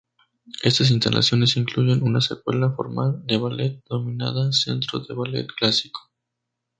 Estas instalaciones incluyen una escuela formal de ballet, denominada centro de ballet clásico.